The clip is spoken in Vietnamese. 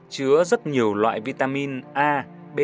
chứa rất nhiều loại vitamin a b hai b ba b năm c